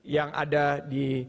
yang ada di